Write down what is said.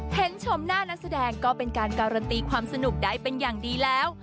เห็นชมหน้านักแสดงก็เป็นการการันตีความสนุกได้เป็นอย่างดีแล้ว